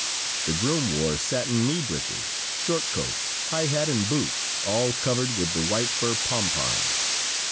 The groom wore satin knee breeches, short coat, high hat and boots, all covered with the white fur pompons.